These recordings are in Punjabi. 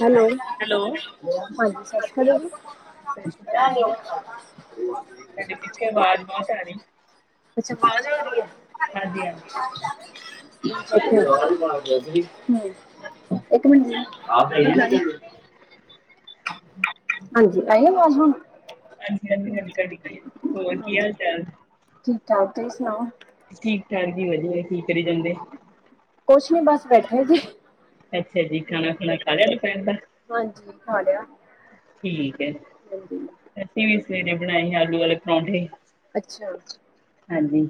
Hello, hello. ਹਾਂਜੀ ਹੈਲੋ ਸਤਿ ਸ਼੍ਰੀ ਅਕਾਲ ਜੀ। [inaudible] ਤੁਹਾਡੇ ਪਿੱਛੇ ਆਵਾਜ਼ ਬਹੁਤ ਆ ਰਹੀ। ਪਿੱਛੇ ਵਾਜ਼ ਆਉਂਦੀ ਐ। ਹਾਂਜੀ-ਹਾਂਜੀ। [inaudible] ਇੱਕ ਮਿੰਟ ਜੀ [inaudible] ਹਾਂਜੀ, ਆਈ ਐ ਆਵਾਜ਼ ਹੁਣ। ਹਾਂਜੀ-ਹਾਂਜੀ, ਹੁਣ ਘਟ ਗਈ ਏ, ਹੋਰ ਕੀ ਹਾਲ-ਚਾਲ। ਠੀਕ-ਠਾਕ, ਤੁਸੀਂ ਸੁਣਾਓ। ਠੀਕ-ਠਾਕ ਜੀ ਵਧੀਆ, ਕੀ ਕਰੀ ਜਾਂਦੇ। ਕੁਛ ਨੀ ਬਸ ਬੈਠੇ ਜੀ। ਅੱਛਾ ਜੀ, ਖਾਣਾ ਖੁਣਾ ਖਾ ਲਿਆਂ ਦੁਪਹਿਰ ਦਾ। ਹਾਂਜੀ, ਖਾ ਲਿਆ। ਠੀਕ ਐ, ਹਾਂਜੀ ਅਸੀਂ ਵੀ ਸਵੇਰੇ ਬਣਾਏ ਆ ਆਲੂ ਵਾਲੇ ਪਰੌਂਠੇ। ਅੱਛਾ। ਹਾਂਜੀ।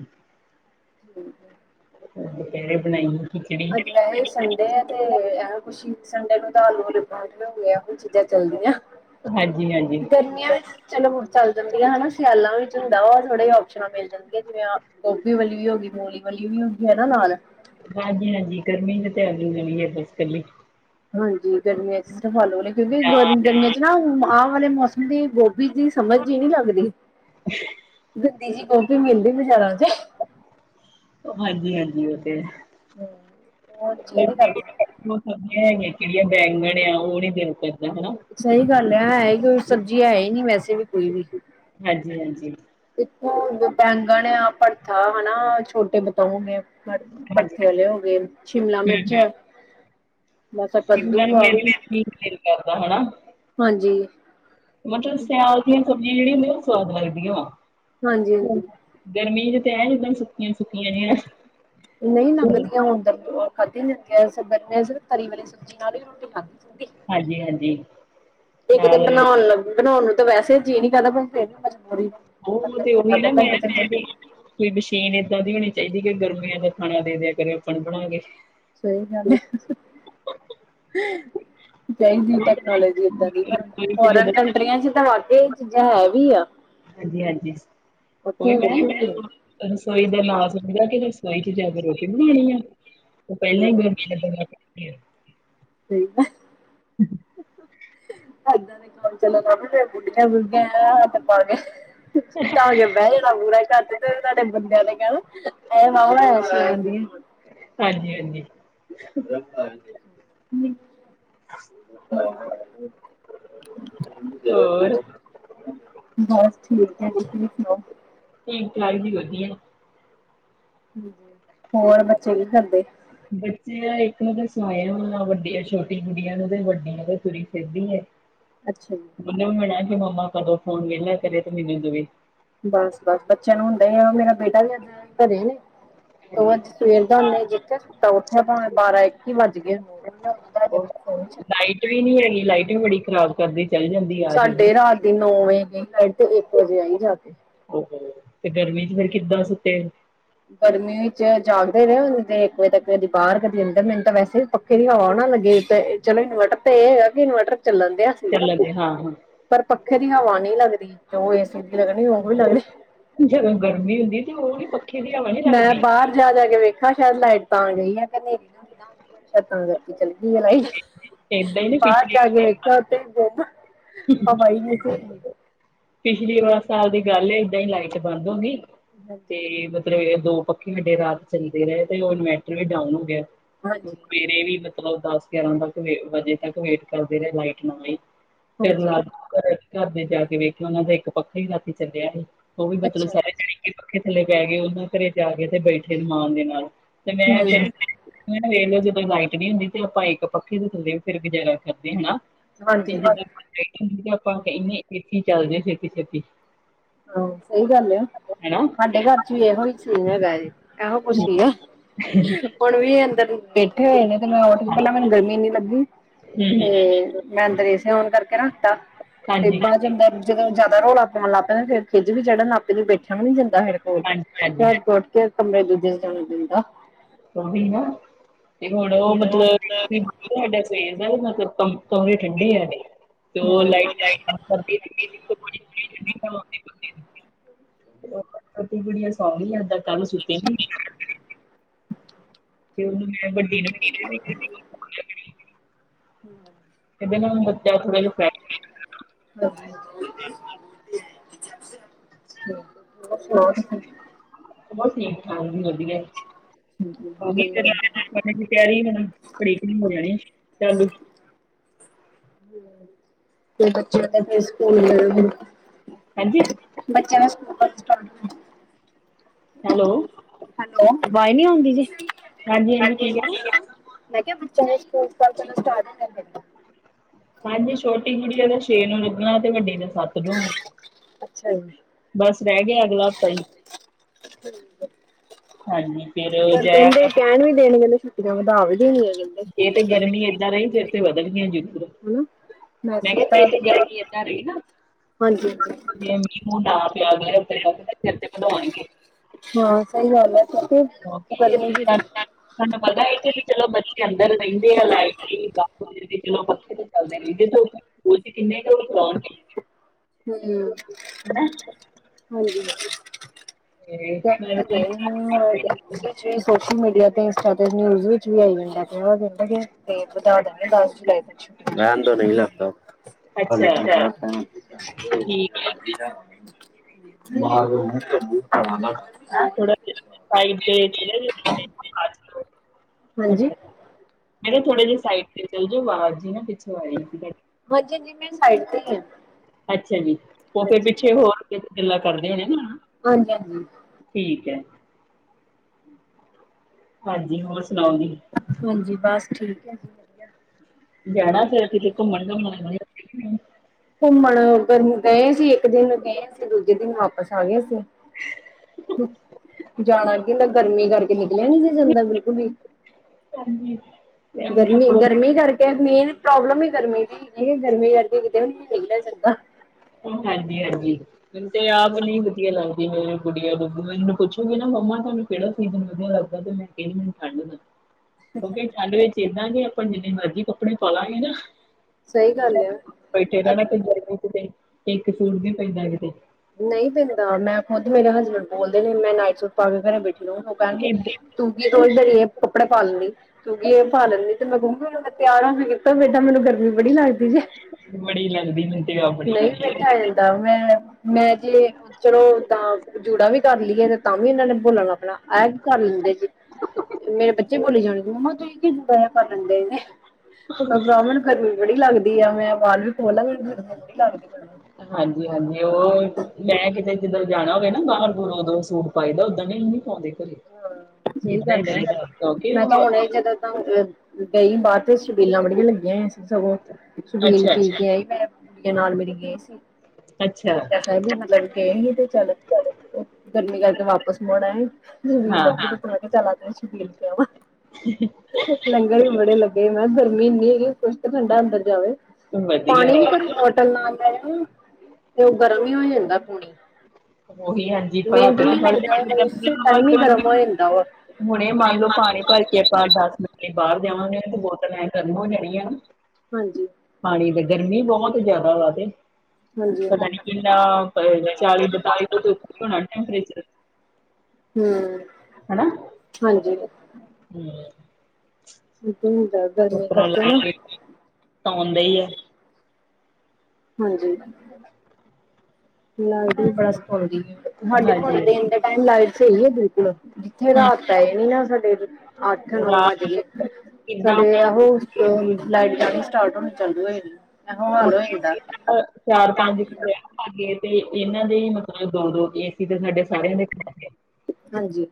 ਠੀਕ ਐ। ਤੁਸੀ ਕਿਹੜੇ ਬਣਾਈ ਏ। ਅਗਲਾ ਇਹ ਸੰਡੇ ਐ। ਤੇ ਇਹੋ ਕੁਛ ਸੰਡੇ ਨੂੰ ਤਾਂ ਆਲੂ ਆਲੇ ਪਰੌਂਠੇ ਹੋ ਗਿਆ, ਇਹੋ ਚੀਜ਼ਾਂ ਚੱਲਦੀਆਂ। ਹਾਂਜੀ ਹਾਂਜੀ, ਗਰਮੀਆਂ ਵਿੱਚ ਚਲੋ ਹੁਣ ਚੱਲ ਜਾਂਦੀਆਂ ਹਨਾ, ਸਿਆਲਾਂ ਵਿੱਚ ਹੁੰਦਾ ਵਾ ਥੋੜਾ ਜਾ ਔਪਸ਼ਨਾਂ ਮਿਲ ਜਾਂਦ ਜਿਵੇਂ ਗੋਭੀ ਵਾਲੀ ਵੀ ਹੋ ਗਈ, ਮੂਲੀ ਵਾਲੀ ਵੀ ਹੋ ਗਈ ਐ ਨਾ ਨਾਲ। ਹਾਂਜੀ-ਹਾਂਜੀ, ਗਰਮੀ ਚ ਤੇ ਆਲੂ ਵਾਲੀ ਐ ਬਸ ਕੱਲੀ। ਹਾਂਜੀ ਗਰਮੀਆਂ ਚ ਸਿਰਫ ਆਲੂ ਵਾਲੇ, ਕਿਉਂਕਿ ਗਰ ਜਾਂ ਗਰਮੀਆਂ ਚ ਨਾ ਆਹ ਵਾਲੇ ਮੌਸਮ ਦੀ ਗੋਭੀ ਦੀ ਸਮਝ ਹੀ ਨੀ ਲੱਗਦੀ, ਗੰਦੀ ਜੀ ਗੋਭੀ ਮਿਲਦੀ ਐ ਬਜ਼ਾਰਾਂ ਚ। ਹਾਂਜੀ-ਹਾਂਜੀ, ਉਹ ਤੇ। [unintelligible] ਨੀ ਕਰਦਾ ਪਰੀਆਂ ਹੈਗੀਆਂ ਕਿਹੜੀਆਂ ਬੈਂਗਣ ਆ ਉਹ ਨੀ ਦਿਲ ਕਰਦਾ। ਹਨਾ। ਸਹੀ ਗੱਲ ਆ ਹੈ ਕੋ ਸਬਜ਼ੀ ਹੈ ਹੀ ਨ ਵੈਸੇ ਵੀ ਕੋਈ ਵੀ। ਹਾਂਜੀ ਹਾਂਜੀ। ਇਥੋ ਪੈਂਗਣ ਆ ਭਰਥਾ ਹਨਾ ਛੋਟੇ ਬਤਾਉ ਨੇ। ਹਾਂਜੀ, ਭਰਥੇ ਵਾਲੇ ਹੋ ਗਏ ਸ਼ਿਮਲਾ ਹਾਂਜੀ ਮਿਰਚ ਹੂੰ ਮਸਾ ਕੱਦੂ ਸ਼ਿਮਲਾ ਆ। ਮਿਰਚ ਵੀ ਨੀ ਦਿਲ ਕਰਦਾ ਹਨਾ। ਹਾਂਜੀ। ਮਤਲਬ ਸਿਆਲ ਦੀਆਂ ਸਬਜ਼ੀਆਂ ਜਿਹੜੀਆਂ ਹੁੰਦੀ ਉਹ ਸਵਾਦ ਲੱਗਦੀਆਂ ਹਾਂਜੀ ਵਾ। ਹਾਂਜੀ ਗਰਮੀ ਚ ਤਾਂ ਹੈ ਜਦਾਂ ਸੁੱਕੀਆਂ ਸੁੱਕੀਆਂ ਜਿਹਾ। ਨਹੀਂ ਲੰਘਦੀਆਂ ਹੁਣ ਤਾ ਖਾਧੀਆ ਜਾਦੀਆ [unintelligible] ਤਰੀ ਵਾਲੀ ਸਬਜ਼ੀ ਨਾਲ ਵੀ ਰੋਟੀ ਖਾਧੀ ਹਾਂਜੀ-ਹਾਂਜੀ, ਤੇ ਇਕ ਦਿਨ ਨਾਲ ਬਣਾਉਣ ਲੱਗੇ ਬਣਾਉਣ ਨੂੰ ਤਾਂ ਵੈਸੇ ਜੀਅ ਨੀ ਕਹਿੰਦਾ ਬ ਮਜਬੂਰੀ ਆ [unintelligible] ਮਸ਼ੀਨ ਏਦਾਂ ਦੀ ਹੋਣੀ ਚਾਹੀਦੀ ਕਿ ਗਰਮੀਆਂ ਦਾ ਖਾਣਾ ਦੇ ਦਿਆ ਕਰੇ ਆਪਾਂ ਬਣਾ ਕੇ। ਸਹੀ ਗੱਲ ਏ। ਚਾਹੀਦੀ ਟੈਕਨੋਲੋਜੀ ਏਦਾਂ ਦੀ ਪਰ ਫੋਰਨ ਕੰਟਰੀਆਂ ਚ ਤਾਂ ਵਾਧੂ ਚੀਜ਼ਾਂ ਹੈ ਵੀ ਆ। ਹਾਂਜੀ ਹਾਂਜੀ ਉੱਥੇ ਕੋਈ ਮੈਂ ਹੈਗੀਆਂ ਨਾ ਵੀ ਨੇ ਹਮ ਜਦੋਂ ਰਸੋਈ ਦੇ [unintelligible] ਮ ਕਿਹਾ ਕਿ ਰਸੋਈ ਚ ਜਾ ਕੇ ਰੋਟੀ ਬਣਾਉਣੀ ਆ ਉਹ ਪਹਿਲਾਂ ਹੀ ਗਰਮੀ ਦਾ [unintelligible] ਸਹੀ ਆ। ਇਦਾਂ ਦੇ ਕੰਮ ਚੱਲ ਜਾ [unintelligible] [unintelligible] [unintelligible] ਹਾਂਜੀ ਹਾਂਜੀ। [unintelligible] ਹੋਰ [unintelligible] ਬਸ ਠੀਕ ਹੈ ਜੀ ਤੁਸੀਂ ਸੁਣਾਓ। ਠੀਕ ਤਾਈ ਜੀ ਵਧੀਆ। ਹੋਰ ਬੱਚੇ ਕੀ ਕਰਦੇ। ਬੱਚੇ ਇੱਕ ਨੂੰ ਤਾਂ ਸੁਣਾਏ ਹੋ ਵੱਡੀ ਛੋਟੀ ਗੁੜੀਆਂ ਨੂੰ ਤੇ ਵੱਡੀਆਂ ਤੇ ਤੁਰੀ ਫਿਰਦੀ ਹੈ। [unintelligible] ਅੱਛਾ ਜੀ। ਉਹਨੇ ਵੀ ਮਣਾ ਕਿ ਮੰਮਾ ਕਦੋਂ ਫੋਨ ਕਦੋ ਵਿਹਲੇ ਕਰੇ ਤੇ ਮੈਨੂੰ ਦਵੇ। ਬਸ ਬਸ ਬੱਚਿਆਂ ਨੂੰ ਹੁੰਦਾ ਹੀ ਮੇਰਾ ਬੇਟਾ ਵੀ ਅੱਜ ਘਰੇ ਨੇ। ਸਗੋ ਹਾਂਜੀ, ਅਜ ਸਵੇਰ ਦਾ ਹੇ ਜਿੱਥਾ ਸੁੱਤਾ ਉੱਠਿਆ ਭਾਵੇ ਬਾਰਾਂ ਇੱਕੀ ਵੱਜ ਗਏ ਉਹ ਉਹ [unintelligible] ਲਾਈਟ ਵੀ ਨਹੀਂ ਹੈਗੀ ਲਾਈਟ ਵੀ ਬੜੀ ਖਰਾਬ ਕਰਦੀ ਚੱਲ ਜਾਂਦੀ। ਆ ਜਾਂਦੀ। ਸਾਡੇ ਰਾਤ ਦੀ ਨੌ ਵਜੇ ਗਈ ਲਾਈਡ ਤੇ ਇੱਕ ਵਜੇ ਆਈ ਜਾ ਕੇ। ਤੇ ਗਰਮੀ ਚ ਫਿਰ ਕਿੱਦਾ ਸੁਤੇ ਗਰਮੀ ਵਿੱਚ ਜਾਗਦੇ ਰਹੇ ਦੇ ਤੇ ਇੱਕ ਵਜੇ ਤੱਕ ਕਦੀ ਬਾਹਰ ਕਦੇ ਅੰਦਰ ਮਿੰਨਟ ਤਾਂ ਵੈਸੇ ਵੀ ਪਖੇ ਦੀ ਹਵਾ ਵੀ ਨਾ ਲੱਗੇ ਤੇ ਚਲੋ ਇਨਵਰਟਰ ਤੇ ਇਹ ਹੈਗਾ ਵੀ ਇਨਵਰਟਰ ਚੱਲਣ ਡਿਆ ਸੀ। ਚ ਹਾਂ ਹਾਂ। ਪਰ ਪੱਖੇ ਦੀ ਹਵਾ ਨਹੀਂ ਲੱਗਦੀ ਜੋ ਏ ਸੀ ਦੀ ਲੱਗਣੀ ਉਹ ਵੀ ਲੱਗਦੀ। ਜਦੋਂ ਗਰਮੀ ਹੁੰਦੀ ਤੇ ਉਹ ਨੀ ਪਖੇ ਮੈਂ ਬਾਹਰ ਜਾ ਜਾ ਕੇ ਵੇਖਾ ਸ਼ਾਇਦ ਲਾਈਟ ਤਾਂ ਗਈ ਆ ਹਨੇਰੀ ਨਾ ਆ ਗਈ ਹੋਏ ਸ਼ਾਇਦ ਕਰਕੇ ਚਲੀ ਗਈ ਆ ਲਾਈਟ ਏਦਾਂ ਹੀ ਨਾ ਬਾਹਰ ਜਾ ਕੇ ਪਿਛਲੇ ਦੇਖਿਆ ਉਥੇ ਹਵਾ ਹੀ ਨਹੀ ਸੀ। ਪਿਛਲੀ ਵਾਰ ਸਾਲ ਦੀ ਗੱਲ ਏ ਏਦਾਂ ਈ ਲਾਈਟ ਬੰਦ ਹੋ ਗਈ ਹੈ ਜੀ। ਤੇ ਮਤਲਬ ਏ ਦੋ ਪੱਖੇ ਵਡੇ ਰਾਤ ਚੱਲਦੇ ਰਹੇ ਤੇ ਔ ਇਨਵੇਟਰ ਵੀ ਡਾਊਨ ਹੋ ਗਿਆ। ਹਾਂਜੀ, ਸਵੇਰੇ ਵੀ ਮਤਲਬ ਦਸ ਗਿਆਰਾਂ ਤੱਕ ਵਜੇ ਤੱਕ ਵੇਟ ਕਰਦੇ ਰਹੇ ਲਾਈਟ ਨਾ ਆਈ। ਫਿਰ ਲਾਲ ਹਾਂਜੀ [unintelligible] ਘਰ ਦੇ ਜਾ ਕੇ ਵੇਖਿਆ ਔਨਾਂ ਦੇ ਇੱਕ ਪੱਖਾ ਈ ਰਾਤੀ ਚੱਲਿਆ ਹੀ। ਔ ਵੀ ਮਤਲਬ ਅੱਛਾ ਸਾਰੇ [unintelligible] ਪੱਖੇ ਥੱਲੇ ਬੈਅ ਗਏ ਔਨਾਂ ਘਰੇ ਜਾ ਕੇ ਤੇ ਬੈਠੇ ਅਰਮਾਨ ਦੇ ਨਾਲ। ਤੇ ਮੈਂ ਫਿਰ ਹੂੰ। ਹੂਨ ਵੇਖ ਲੋ ਜਦੋਂ ਲਾਈਟ ਨੀ ਹੁੰਦੀ ਤੇ ਆਪਾਂ ਇੱਕ ਪੱਖੇ ਦੇ ਥੱਲੇ ਫਿਰ ਗੁਜਾਰਾ ਕਰਦੇ ਹੈਨਾ। [inaudible] ਹਾਂਜੀ ਇੰਨੇ ਏਸੀ ਚਲਦੇ [unintelligible] ਹਾਂ ਸਈ ਗੱਲ ਏ ਹਾਡੇ ਘਰ 'ਚ ਵੀ ਇਹੋ ਈ ਚੀਜ਼ ਹੈਗਾ ਏ। ਐਹੋ ਹੂੰ ਕੁਛ ਈ ਐ। ਹੁਣ ਵੀ ਅੰਦਰ ਬੈਠੇ ਹੋਏ ਨੇ ਤੇ ਮੈਂ ਉਠ ਪਹਿਲਾਂ ਮੈਨੂੰ ਗਰਮੀ ਇਨੀ ਲੱਗੀ। ਤੇ ਮੈਂ ਅੰਦਰ ਈ ਫੋਨ ਕਰਕੇ ਰੱਖਤਾ ਤੇ ਹਾਂਜੀ ਬਾਦ ਚੋਂ [unintelligible] ਜਦੋਂ ਜ਼ਿਆਦਾ ਰੋਲਾ ਪਾਨ ਲੱਗ ਪਿਆ ਫੇਰ ਖਿੱਝ ਵੀ ਚੜਨ ਲੱਗ ਪਈ ਫੇਰ ਬੈਠਿਆਂ ਵੀ ਨੀ ਜਾਂਦਾ ਮੇਰੇ ਕੋਲ ਹਾਂਜੀ ਹਾਂਜੀ [unintelligible] ਕੇ ਕਮਰੇ 'ਚੋਂ ਦਿਸਦਾ ਨੀ ਦਿਨ ਦਾ। ਔ ਵੀ ਨਾ ਤੇ ਹੁਣ ਔ ਹੂੰ ਮਤਲਬ [unintelligible] ਸਵੇਰ ਦਾ ਵੀ ਮਤਲਬ ਕਮ ਕਮਰੇ ਠੰਡੇ ਐ ਨਈ ਤੇ ਔ ਲਾਈਟ [inaudible] [inaudible] ਕੁੜੀਆਂ ਸੌਂ ਗਈਆਂ ਏਦਾਂ ਤਾਂ ਵੀ ਸੁੱਤੇ ਨੀ ਤੇ ਉਹਨੂੰ ਮੈਂ ਵੱਡੀ ਨੂੰ [inaudible] ਹੂੰ। ਇਹਦੇ ਨਾ ਬੱਚਾ ਥੋੜਾ ਜਿਆ [unintelligible] [inaudible] ਹੋਰ ਸੁਣਾਔ ਤੁਸੀ? ਬਸ ਠੀਕ-ਠਾਕ ਜੀ, ਵਧੀਐ। [inaudible] ਦੀ ਤਿਆਰੀ ਕਰਾਂ [inaudible] ਚੱਲ ਤੇ ਬੱਚਿਆਂ ਦਾ [unintelligible] ਸਕੂਲ ਗਏ ਨੇ। ਹਾਂਜੀ ਬੱਚਿਆਂ ਦੇ ਸਕੂਲ [unintelligible] ਹੈਲੋ। ਹੈਲੋ। ਅਵਾਜ਼ ਨੀ ਆਉਂਦੀ ਪਈ। ਹਾਂਜੀ-ਹਾਂਜੀ ਹਾਂਜੀ ਕੀ ਕਹਿ ਰਹੇ? [unintelligible] ਮੈਂ ਕਿਆ ਬੱਚਿਆਂ ਦੇ ਸਪੋਰਟਸ ਕੱਲ ਤੋਂ ਏਨੇ ਸਟਾਰਟ ਈ ਕਰ ਦੇਨੇ ਆ। ਅਜ ਛੋਟੀ ਗੁੜੀਆਂ ਦਾ ਛੇ ਨੂੰ ਲੱਗਣਾ ਤੇ ਵੱਡੀ ਦਾ ਸੱਤ ਨੂੰ ਐ। ਅੱਛਾ ਜੀ। ਬਸ ਰੈਅ ਗਿਆ ਅਗਲਾ ਹਫ਼ਤਾ ਈ। [inaudible] ਹਾਂਜੀ ਫੇਰ ਜਇਆ ਕਰ। ਣ ਵੀ ਦੇਣਗੇ [unintelligible] ਇਧਰੋਂ ਵਧਾ ਵੀ ਦੇਣਗੇ ਕੇਂਦੇ। ਏ ਤੇ ਗਰਮੀ ਏਦਾਂ ਰਈ ਫੇਰ ਤੇ ਵਧਣਗੀਆਂ ਜ਼ਰੂਰ। ਹਨਾ। ਮੈਂ ਕਿਆ ਮੈਸੇਜ ਤਾਂ ਫੇਰ ਜੇ ਹਾਂਜੀ ਗਰਮੀ ਇਦਾਂ ਰਈ ਨਾ ਹਾਂਜੀ [unintelligible] ਮੁੱਢਾ ਆ ਪਿਆ ਦੈ। ਹਾਂ ਸਈ ਗੱਲ ਐ ਫੇਰ ਤੇ ਗਰਮੀਆਂ ਇੱਚ ਇਦਾਂ ਤੁਆਨੂੰ ਪਤੈ ਇੱਥੇ ਵੀ ਚਲੋ ਬੱ ਚੇ ਅੰਦਰ ਰਇੰਦੇ ਆ ਲਾਈਟ ਵੀ [inaudible] ਵਜੇ ਤੇ ਚਲੋ ਪੱਖੇ ਤੇ ਚੱਲਦੇ [inaudible] ਉਰ 'ਚ ਕਿੰਨੇ ਕੁ ਉਹ ਕਰਾਉਣਗੇ ਹੈਨਾ। ਹੋਵੇਗਾ। ਤੇ [unintelligible] ਤਾਂ ਮੈਂ ਦੇਣਗੇ ਨਈ। [inaudible] ਔਦੇ ਇੱਚ ਵੀ, ਸੋਸ਼ਲ ਮੀਡੀਆ ਤੇ ਇੰਸਟਾ ਤੇ ਨਿਊਜ਼ ਵਿੱਚ ਵੀ ਆਈ ਜਾਂਦਾ [unintelligible] ਤੇ ਵਧਾ ਦੇਣਗੇ ਦਸ ਜੁਲਾਈ ਤੱਕ ਛੁੱਟੀਆਂ। ਰੈਣ ਦੋ ਨਈ ਲੱਭਦਾ। ਅੱਛਾ ਠੀਕ ਹੈ [unintelligible] [unintelligible] ਥੋੜਾ ਸਾਈਡ ਤੇ ਛੋਟੇ ਜਾਂ ਬੜੇ ਆਜ ਕੱਲ ਮੈਂ ਹਾਂਜੀ ਕਿਆ ਥੋੜੇ ਜੇ ਸਾਈਡ ਤੇ ਹੋਜੋ ਆਵਾਜ਼ ਜੀ ਨਾ ਪਿੱਛੋਂ ਆਈ ਸੀ ਤਾਡੇ। [inaudible] ਸਾਈਡ ਤੇ ਹੀ ਆ ਅੱਛਾ ਜੀ, ਉਹ ਫੇਰ ਪਿੱਛੇ ਹੋਰ ਗੱਲਾਂ ਕਰਦੇ ਹੋਣੇ ਨਾ। ਹਾਂਜੀ, ਹਾਂਜੀ। ਠੀਕ ਹੈ। ਹਾਂਜੀ, ਹੋਰ ਸੁਣਾਓ ਜੀ? ਹਾਂਜੀ, ਬਸ ਠੀਕ ਹੈ। ਵਧੀਆ ਜਾਣਾ ਫੇਰ ਕਿਤੇ ਘੁੰਮਣ ਘਮਣ। ਘੁੰਮਣ ਗਏ ਸੀ ਇੱਕ ਦਿਨ ਗਏ ਸੀ। ਤੇ ਦੂਜੇ ਦਿਨ ਵਾਪਿਸ ਆ ਗਏ ਅਸੀਂ ਜਾਣਾ ਕਿ ਨਾ ਗਰਮੀ ਕਰਕੇ। ਨਿਕਲਿਆ ਨਹੀਂ ਸੀ ਜਾਂਦਾ ਬਿਲਕੁਲ ਵੀ ਮੈਨੂੰ ਤਾਂ- ਗਰਮੀ ਥੋੜ੍ਹਾ- ਗਰਮੀ ਕਰਕੇ। ਫਿਰ ਮੇਨ ਪ੍ਰੋਬਲਮ ਹੀ ਗਰਮੀ ਦੀ ਹੈਗੀ ਏ ਗਰਮੀ ਕਰਕੇ ਕਿਤੇ ਵੀ ਨਹੀਂ ਨਿਕਲਿਆ ਜਾਂਦਾ। ਹਾਂਜੀ, ਹਾਂਜੀ। ਮੈਨੂੰ ਤੇ ਆਪ ਨਹੀ ਵਧੀਆ ਲੱਗਦੀ ਮੇਰੇ ਗੁੜੀਆਂ ਨੂੰ ਮੈਨੂੰ ਪੁੱਛੂਗੀ ਨਾ ਮੰਮਾ ਤੁਹਾਨੂੰ। ਕਿਹੜਾ ਸੀਜਨ ਵਧੀਆ ਲੱਗਦਾ ਤੇ ਮੈਂ ਕਹਿੰਦੀ ਹਾਂ ਠੰਡ ਦਾ। ਕਿਉਂਕਿ ਠੰਡ ਵਿੱਚ ਏਦਾਂ ਕਿ ਆਪਾਂ ਜਿੰਨੇ ਮਰਜ਼ੀ ਕੱਪੜੇ ਪਾਲਾਂਗੇ ਨਾ। ਸਹੀ ਗੱਲ ਬੈਠੇ ਆ ਰਹਿਣਾ ਤੇ ਗਰਮੀ ਕਿਤੇ ਇੱਕ ਸੂਟ ਵੀ ਪੈਂਦਾ ਕਿਤੇ। ਨਹੀਂ ਪੈਂਦਾ ਮੈਂ ਖੁੱਦ ਮੇਰੇ ਹਸਬੈਂਡ ਬੋਲਦੇ ਨੇ ਮੈਂ ਨਾਈਟ ਸੂਟ ਪਾ ਕੇ ਘਰੇ ਬੈਠੀ ਨੂੰ ਕਹਿਣਗੇ। ਇਦ ਤੂੰ ਕੀ ਰੋਜ਼ ਦਿਹਾੜੀ ਇਹ ਕੱਪੜੇ ਪਾ ਲੈਂਦੀ। ਕਿਉਂਕਿ ਇਹ ਪਾ ਲੈਨੀ ਤੇ ਮੈਂ ਕਹੂੰਗੀ ਤਿਆਰ ਹੋਣ ਤੇ ਬੇਟਾ ਮੈਨੂੰ ਗਰਮੀ ਬੜੀ ਲੱਗਦੀ। ਜੇ ਬੜੀ ਲੱਗਦੀ ਮੈਨੂੰ ਤੇ ਆਪ ਬੜੀ ਲੱਗਦੀ। ਦਮ ਏ। ਮੈਂ ਜੇ ਚਲੋ ਤਾਂ ਜੂੜਾ ਵੀ ਕਰ ਲਈਏ ਤੇ ਤਾਂ ਵੀ ਉਹਨਾਂ ਨੇ ਬੋਲਣ ਲੱਗ ਪੈਣਾ। ਆਇਆ ਕੀ ਕਰ ਲੈਂਦੇ ਚ ਮੇਰੇ ਬੱਚੇ ਬੋਲੀ ਜਾਣਗੇ ਮੰਮਾ ਤੁਸੀਂ। ਕਿੰਨੇ ਬਲਣ ਡਏ ਨੇ ਬ੍ਰਾਹਮਣ। ਗਰਮੀ ਬੜੀ ਲੱਗਦੀ ਆ ਮੈਂ ਵਾਲ ਵੀ ਖੋਲ ਲਵਾ ਗਰਮੀ ਬੜੀ ਲੱਗਦੀ ਮੈਨੂੰ। ਹਾਂਜੀ, ਹਾਂਜੀ ਉਹ। ਮੈਂ ਕਿਤੇ ਜਿੱਦਣ ਜਾਣਾ ਹੋਵੇ ਨਾ ਬਾਹਰ ਉਦੋਂ ਸੂਟ ਪਾਈਦਾ ਉਦਾਂ ਨਹੀਂ ਪਾਉਂਦੇ। ਘਰੇ ਹਾਂ ਸਹੀ ਏਦਾਂ ਹੀ ਗੱਲ ਹੈ। ਰਹੀਦਾ ਕਿਉਂਕਿ ਮੈਂ ਤਾਂ ਉਹ ਹੁਣੇ ਜਦੋਂ ਤਾਂ ਗਈ ਬਾਹਰ ਤੇ ਸ਼ਬੀਲਾਂ ਬੜੀਆਂ ਲੱਗੀਆ ਹੋਈਆਂ ਸੀ ਸਗੋਂ। ਛਬੀਲ ਅੱਛਾ ਪੇ ਕੇ ਆਈ ਮੈਂ ਤੇ ਨਾਲ ਮੇਰੇ ਗਏ ਸੀ। ਅੱਛਾ ਕਹਿੰਦੇ ਮਤਲਬ ਗਏ ਸੀ ਤੇ ਚੱਲ ਗਰਮੀ ਕਰਕੇ ਵਾਪਸ ਮੁੜ ਆਏ ਆ। ਛਬੀਲ ਹਾਂ ਲੱਗੀ ਹਾਂ ਤੇ ਮੈਂ ਕਿਹਾ ਚਲਾ ਸ਼ਬੀਲ ਪੀ ਆਵਾਂ। ਲੰਗਰ ਵੀ ਬੜੇ ਲੱਗੇ ਮੈਂ ਕਿਹਾ ਗਰਮੀ ਇੰਨੀ ਹੈਗੀ ਕੁਸ਼ ਤੇ ਠੰਡਾ ਅੰਦਰ ਜਾਵੇ। ਪਾਣੀ ਵੀ ਵਧੀਆ ਘਰ ਬੋਟਲ ਨਾਲ ਦਾ ਆ। ਤੇ ਉਹ ਗਰਮ ਹੀ ਹੋ ਜਾਂਦਾ ਪਾਣੀ ਉਹੀ ਹਾਂਜੀ ਮਿੰਟ ਭਾਰਤ ਨਹੀਂ ਚ ਲੱਗਦਾ। ਟਾਈਮ ਹੀ ਪੜ੍ਹਦੇ ਗਰਮ ਹੋ ਜਾਂਦਾ ਵਾ। ਕਿ ਆਪਾਂ ਦਸ ਮਿੰਟ ਬਾਹਰ ਜਾਵਾਂਗੇ ਤੇ ਬੋਤਲ ਏਂ ਗਰਮ ਹੋ ਜਾਣੀ ਆ। ਹਾਂਜੀ। ਪਾਣੀ ਤਾਂ ਗਰਮੀ ਬਹੁਤ ਜ਼ਿਆਦਾ ਵਾ ਤੇ। ਹਾਂਜੀ ਪਤਾ ਹਾਂਜੀ ਨੀ ਕਿੰਨਾ ਚਾਲੀ ਬਤਾਲੀ ਕ ਹੋਣਾ ਟੈਂਪਰੇਚਰ। ਹਮ ਹਨਾ। ਹਾਂਜੀ ਇਕ ਹੁੰਦਾ ਗਰਮੀ ਕਰਕੇ ਨਾ। [inaudible] ਦੇ ਹੀ ਹੈ ਹਾਂਜੀ ਨਾਲ ਦੀ ਬੜਾ ਸਖਾਉਦੀ ਹੈ। ਤੁਹਾਡੇ ਮੋੜ ਹਾਂਜੀ ਦਿਨ ਦੇ ਟਾਈਮ ਲਾਈਟ ਸਹੀ ਹੈ ਬਿਲਕੁਲ। ਜਿੱਥੇ ਰਾਤ ਪੈ ਜਾਣੀ ਆ ਸਾਡੇ ਅੱਠ ਨੌ ਵੱਜ ਰਾਤ ਗਏ ਕਿੰਨਾ ਸਾਡੇ ਉਹੋ। ਲਾਈਟ ਜਾਣੀ ਸਟਾਰਟ ਹੋਣੀ ਚੱਲੂ ਹੋ ਜਾਣੀ ਮੈਂ ਕਿਹਾ ਇਹੋ ਹਾਲ ਹੋ ਜਾਂਦਾ। ਚਾਰ ਪੰਜ ਘਰ ਭਾਗੇ ਤੇ ਇਹਨਾਂ ਦੇ ਮਤਲਬ ਦੋ ਦੋ ਏ ਸੀ ਤੇ ਸਾਡੇ। ਸਾਰਿਆਂ ਦੇ ਹਾਂਜੀ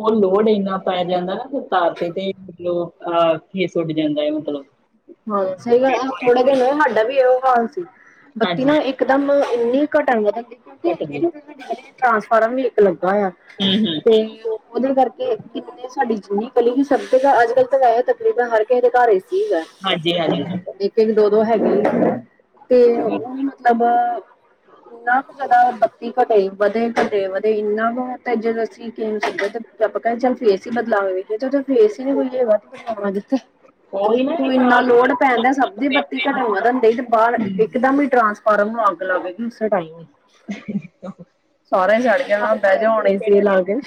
ਉਹ ਲੋੜ ਇੰਨਾ ਪੈ ਜਾਂਦਾ ਤਾਰ ਤੇ ਤੇ। ਲੋ ਆਪਾਂ ਫੇਸ ਉੱਡ ਜਾਂਦਾ ਹੈ ਮਤਲਬ। ਹਾਂ, ਸਹੀ ਗੱਲ ਥੋੜੇ ਦਿਨ ਸਾਡਾ ਵੀ ਇਹ ਹਾਲ ਸੀ ਬੱਤੀ ਹਾਂਜੀ ਨਾ ਇਕਦਮ ਇੰਨੀ ਘਟਣ, ਵਧਣ ਦਿੱਕਤ ਏ ਕੱਟ ਇੱਕ ਜੀ ਤਾਂ ਸਾਡੀ ਗਲੀ ਚ ਟਰਾਂਸਫਾਰਮ ਵੀ ਇੱਕ ਲੱਗਾ ਹੋਇਆ ਹੂੰ ਹੂੰ ਤੇ ਉਹਦੇ ਕਰਕੇ ਕਿੰਨੇ ਸਾਡੀ ਜਿੰਨੀ ਗਲੀ ਸਭ ਅੱਜ ਕੱਲ੍ਹ ਤਾਂ ਵੈਸੇ ਤਕਰੀਬਨ ਹਰ ਕਿਸੇ ਦੇ ਘਰ ਏੇ ਸੀ ਹੈਗਾ। ਹਾਂਜੀ ਹਾਂਜੀ ਇੱਕ ਇੱਕ, ਦੋ ਦੋ, ਹੈਗੇ ਤੇ ਉਹੀ ਮਤਲਬ ਇੰਨਾ ਕੁ ਜਿਆਦਾ ਬੱਤੀ ਘਟੇ, ਵਧੇ ਘਟੇ ਵਧੇ ਇੰਨਾ ਕੁ ਜਦ ਅਸੀਂ ਕਿਦੇ ਆਪਾਂ ਕਹਿੰਦੇ ਚੱਲ ਫੇਸ ਈ ਬਦਲਾਵੇ ਚ ਫੇਸ ਨੇ ਕੋਈਗਾ [unintelligible] ਦਿੱਤਾ ਉਹੀ ਨਾ ਤੂੰ ਇੰਨਾ ਤਾਰ ਲੋਡ ਭੈਣ ਜਦ ਸਭ ਦੀ ਬੱਤੀ ਘਟਨ ਵਧਨ ਡਈ ਤੇ ਬਾਹਰ ਹੂੰ। ਇੱਕਦਮ ਹੀ ਟਰਾਂਸਫਾਰਮ ਨੂੰ ਅੱਗ ਲੱਗ ਗੀ ਉਸੇ ਟਾਈਮ। [unintelligible] ਆਂ [unintelligible] ਸਾਰਾ ਸੜ ਗਿਆ ਹੁਣ ਬਹਿ ਜਾ ਹੁਣ ਏ ਸੀ ਲਾਗੇ।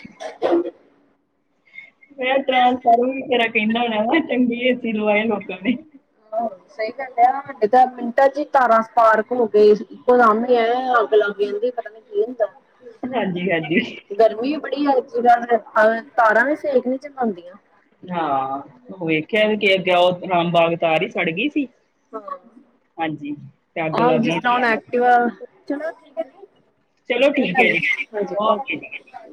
ਮੈ ਤ ਸਾਰ ਵੀ ਕਰਰਾ ਕਹਦਾ ਚੰ ਬੀ [unintelligible] ਏ ਸੀ ਲ ਇਹ ਲੋਕ ਨੇ ਆਹੋ ਸਹੀ ਗੱਲ ਹੈ ਸਾਡੇ ਤਾਂ ਮਿੰਟਾਂ ਚ ਤਾਰਾਂ ਸਪਾਰਕ ਹੋ ਗਏ ਇੱਕੋ ਸਾਹਮਣੇ ਆ ਅੱਗ ਲੱਗ ਜਾਂਦੀ ਪ ਏ ਤਾਂ [unintelligible] ਹਾਂਜੀ, ਹਾਂਜੀ। ਗਰਮੀ ਵੀ ਬੜੀ ਹੈ ਤਾਰਾਂ ਵੀ ਸੇਕ ਨੀ ਝੱਲਦੀਆਂ। ਹਾਂ ਉਹ ਵੇਖਿਆ ਵੀ ਕਿਸੇ ਜਾ ਬਾਰ ਤਾਰ ਈ ਰਹੀ ਸੜ ਗਈ ਸੀ। ਹਾਂਜੀ ਤੇ ਅੱਗ ਲੱਗ ਗਈ ਜੀਦਾ ਹੁਣ ਐਕਟਿਵਾ। ਚਲੋ ਠੀਕ ਹੈ ਜੀ ਓਕੇ ਹਾਂਜੀ [unintelligible] ਜੀ